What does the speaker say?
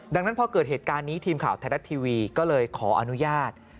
ดังนั้นพอเกิดเหตุการณ์นี้ทีมข่าวไทยรัฐทีวีก็เลยขออนุญาต